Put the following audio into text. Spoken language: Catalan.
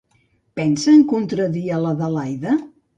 Pensa en contradir a l'Adelaida?